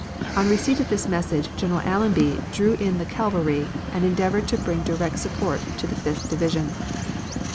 On receipt of this message General Allenby drew in the cavalry and endeavored to bring direct support to the Fifth Division.